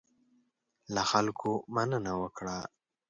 له خلکو مننه وکړه.